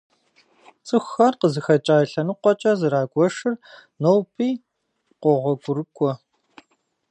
ЦӀыхухэр къызыхэкӀа и лъэныкъуэкӀэ зэрагуэшыр ноби къогъуэгурыкӀуэ.